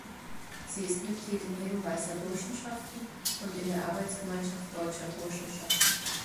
Sie ist Mitglied im Ring Weißer Burschenschaften und in der Arbeitsgemeinschaft deutscher Burschenschaften.